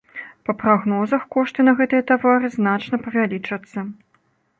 Па прагнозах, кошты на гэтыя тавары значна павялічацца.